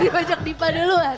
dibajak dipa duluan